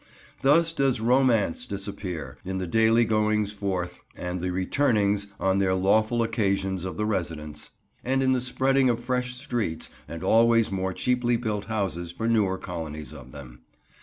Thus does Romance disappear, in the daily goings forth and the returnings on their lawful occasions of the residents, and in the spreading of fresh streets and always more cheaply built houses for newer colonies of them.